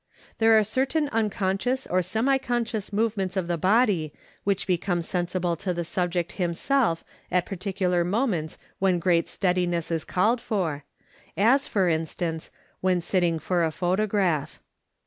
There are certain un conscious or semi unconscious movements of the body which be come sensible to the subject himself at particular moments when great steadiness is called for, as, for instance, when sitting for a photograph.